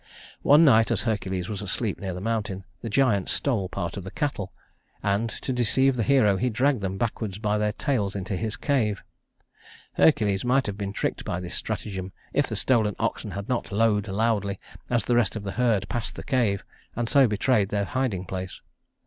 One night, as Hercules was asleep near the mountain, the giant stole part of the cattle; and, to deceive the hero, he dragged them backwards by their tails into his cave. Hercules might have been tricked by this stratagem if the stolen oxen had not lowed loudly as the rest of the herd passed the cave, and so betrayed their hiding place.